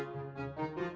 masih ya bang